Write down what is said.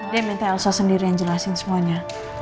dia minta elsa sendiri yang jelasin semuanya